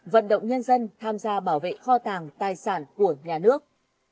vận động nhân dân tham gia bảo vệ kho tàng tài sản của nhà nước